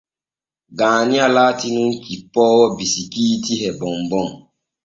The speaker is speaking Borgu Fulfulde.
Gaaniya laati nun cippoowo bisikiiiti e bombom.